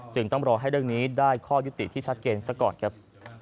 ต้องรอให้เรื่องนี้ได้ข้อยุติที่ชัดเจนซะก่อนครับ